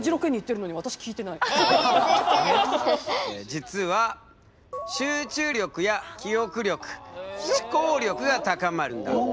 実は集中力や記憶力思考力が高まるんだ。